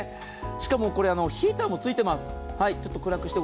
しかもこれ、ヒーターもついています。